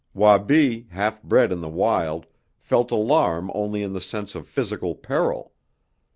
Wabi, half bred in the wild, felt alarm only in the sense of physical peril.